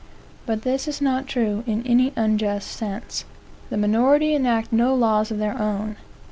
But this is not true in any unjust sense. The minority enact no laws of their own.